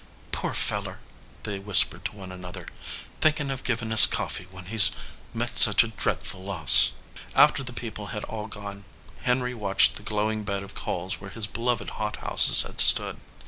"Poor feller!" they whispered to one another, "thinkin of givin us coffee when he s met such a dreadful loss !" After the people had all gone, Henry watched the glowing bed of coals where his beloved hot houses had stood.